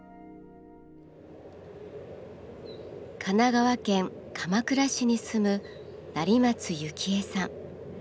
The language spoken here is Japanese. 神奈川県鎌倉市に住む成松幸恵さん。